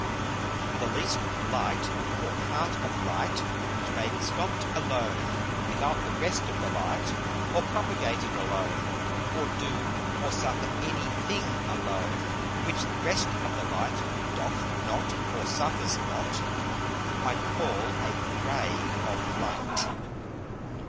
The least Light or part of Light, which may be stopp'd alone without the rest of the Light, or propagated alone, or do or suffer any thing alone, which the rest of the Light doth not or suffers not, I call a Ray of Light.